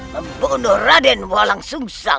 membunuh raden walang sungsang